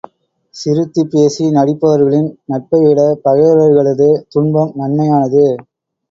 சிரித்துப் பேசி நடிப்பவர்களின் நட்பை விட பகைவர்களது துன்பம் நன்மையானது